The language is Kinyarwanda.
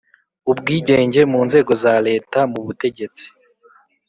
ubwigenge mu nzego za Leta mu butegetsi